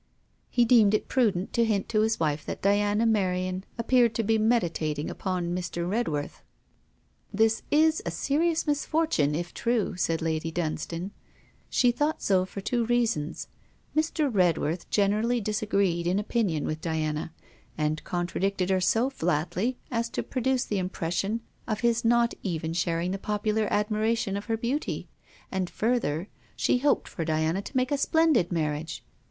He deemed it prudent to hint to his wife that Diana Merion appeared to be meditating upon Mr. Redworth. 'That is a serious misfortune, if true,' said Lady Dunstane. She thought so for two reasons: Mr. Redworth generally disagreed in opinion with Diana, and contradicted her so flatly as to produce the impression of his not even sharing the popular admiration of her beauty; and, further, she hoped for Diana to make a splendid marriage.